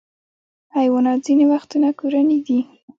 حیوانات ځینې وختونه کورني دي.